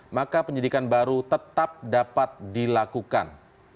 maka penyidikan baru tetap dapat dilakukan